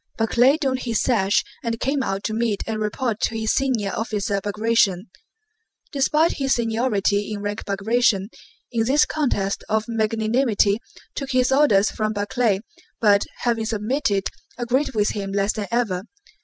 Barclay donned his sash and came out to meet and report to his senior officer Bagratión. Despite his seniority in rank Bagratión, in this contest of magnanimity, took his orders from Barclay, but, having submitted, agreed with him less than ever.